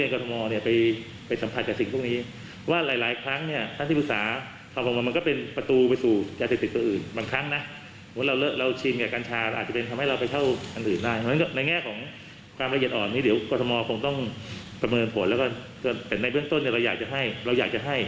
กฎหมอเราเป็นโรงเรียนโรงเรียนของกฎหมอ๔๗๗แห่งใหญ่